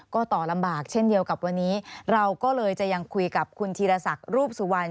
ก็ต่อลำบากเช่นเดียวกับวันนี้เราก็เลยจะยังคุยกับคุณธีรศักดิ์รูปสุวรรณ